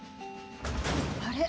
あれ？